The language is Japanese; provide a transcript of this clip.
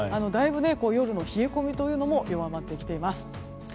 だいぶ夜の冷え込みも弱まってきています。